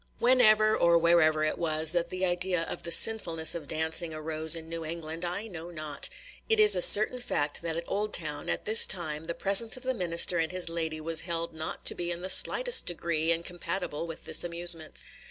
Whenever or wherever it was that the idea of the sinfulness of dancing arose in New:England, I know not; it is a certain fact that at Oldtown, at this time, the presence of the minister and his lady was held not to be in the slightest degree incompatible with this amusement.